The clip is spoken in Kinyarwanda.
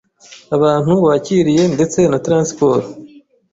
abantu wakiriye ndetse na transport.